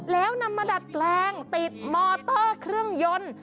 แล้วนำมาดัดแปลงติดมอเตอร์เครื่องยนต์